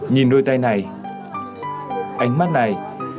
nhìn đôi tay này ánh mắt này